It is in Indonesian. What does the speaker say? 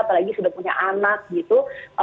apalagi sudah punya anak gitu